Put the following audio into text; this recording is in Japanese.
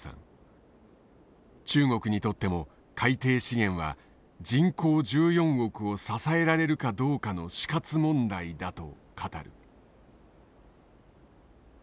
中国にとっても海底資源は人口１４億を支えられるかどうかの死活問題だと語る。